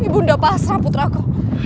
ibu bunda pahaslah putraku